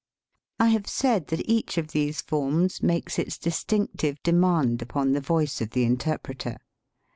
I have said that each of these forms makes its distinctive demand upon the voice of the interpreter.